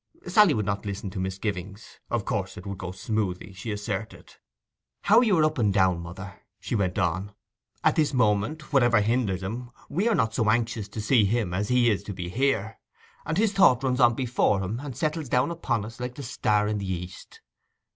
Sally would not listen to misgivings. Of course it would go smoothly, she asserted. 'How you are up and down, mother!' she went on. 'At this moment, whatever hinders him, we are not so anxious to see him as he is to be here, and his thought runs on before him, and settles down upon us like the star in the east.